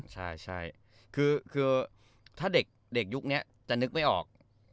ใช่คือถ้าเด็กยุคนี้จะนึกไม่ออก